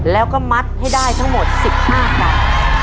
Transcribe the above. แล้วก็มัดให้ได้ทั้งหมด๑๕กรัม